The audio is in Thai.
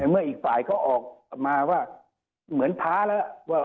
เมื่ออีกฝ่ายเขาออกมาว่าเหมือนท้าแล้วว่า